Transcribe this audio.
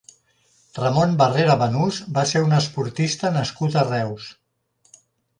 Ramon Barrera Banús va ser un esportista nascut a Reus.